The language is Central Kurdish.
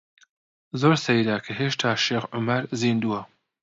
زۆر سەیرە کە هێشتا شێخ عومەر زیندووە.